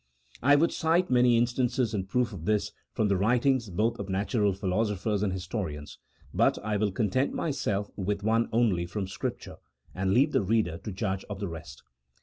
I could cite many instances in proof of this from the writings both of natural philosophers and historians, but I will content myself with one only from Scripture, and leave the reader to judge of the rest.